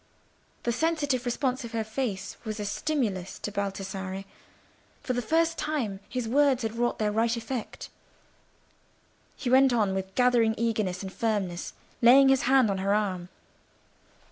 The sensitive response of her face was a stimulus to Baldassarre; for the first time his words had wrought their right effect. He went on with gathering eagerness and firmness, laying his hand on her arm.